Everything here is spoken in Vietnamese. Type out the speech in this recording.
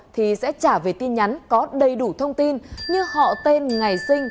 thì sẽ trả về tin nhắn có đầy đủ thông tin như họ tên ngày sinh